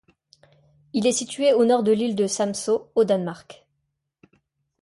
Il est situé au nord de l'île de Samsø, au Danemark.